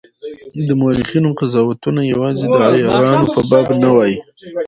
د مورخینو قضاوتونه یوازي د عیارانو په باب نه وای.